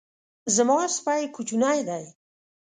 زما سپی کوچنی دی